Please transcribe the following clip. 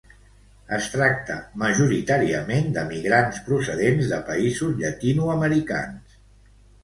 Es tracta majoritàriament de migrants procedents de països llatinoamericans.